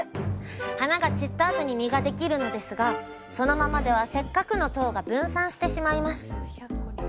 花が散ったあとに実ができるのですがそのままではせっかくの糖が分散してしまいます。